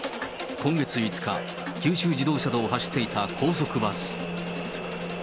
今月５日、九州自動車道を走っていた高速バス。